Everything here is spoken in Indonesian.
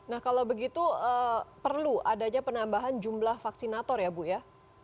nah kalau begitu perlu adanya penambahan jumlah vaksinator ya bu ya